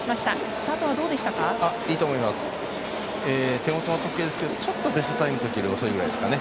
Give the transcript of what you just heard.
手元の時計ですけどちょっとベストタイムよりか遅いくらいですかね。